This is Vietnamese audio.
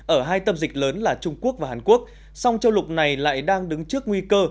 ở hai tâm dịch lớn là trung quốc và hàn quốc song châu lục này lại đang đứng trước nguy cơ